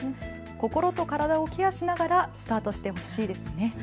心と体もケアしながらスタートしてほしいですね。